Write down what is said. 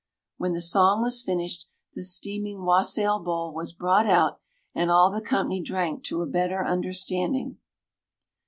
When the song was finished, the steaming wassail bowl was brought out, and all the company drank to a better understanding.